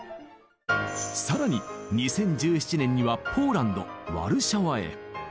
更に２０１７年にはポーランドワルシャワへ。